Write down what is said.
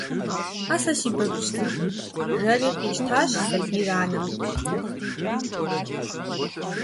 – А сэ си бабыщ цӀыкӀу, – жэри къищтащ сабийр анэм.